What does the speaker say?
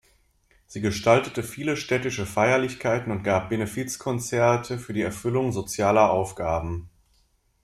Sie gestaltete viele städtische Feierlichkeiten und gab Benefizkonzerte für die Erfüllung sozialer Aufgaben.